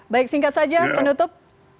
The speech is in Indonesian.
baik singkat saja penutup